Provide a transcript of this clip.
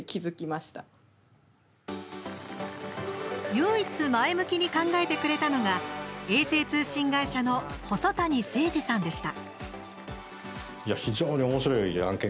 唯一、前向きに考えてくれたのが衛星通信会社の細谷成志さんでした。